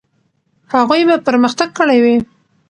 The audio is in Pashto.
هغوی به پرمختګ کړی وي.